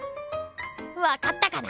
わかったかな？